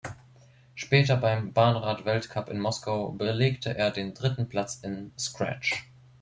Später beim Bahnrad-Weltcup in Moskau belegte er den dritten Platz im Scratch.